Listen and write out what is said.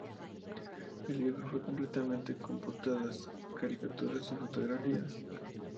El libro fue complementado con portadas, caricaturas y fotografías.